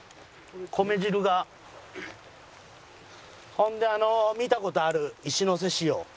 ほんであの見た事ある石のせしよう。